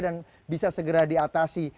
dan bisa segera diatasi